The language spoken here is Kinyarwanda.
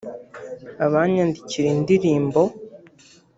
abanyandikira indirimbo